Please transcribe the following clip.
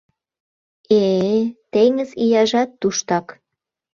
Э-э, теҥыз ияжат туштак.